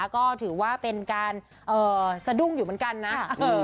ก็ถือว่าเป็นการสะดุ้งอยู่เหมือนกันนะ